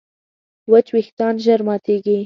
وچ وېښتيان ژر ماتېږي.